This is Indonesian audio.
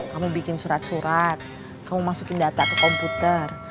kamu bikin surat surat kamu masukin data ke komputer